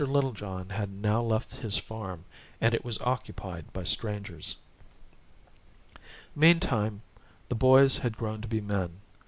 Littlejohn had now left his farm, and it was occupied by strangers. Meantime, the boys had grown to be men.